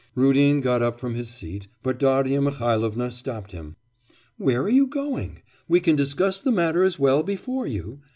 Rudin got up from his seat, but Darya Mihailovna stopped him. 'Where are you going? We can discuss the matter as well before you.